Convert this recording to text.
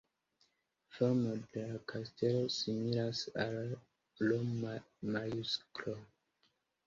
Formo de la kastelo similas al L-majusklo.